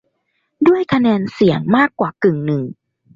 ด้วยคะแนนเสียงมากกว่ากึ่งหนึ่ง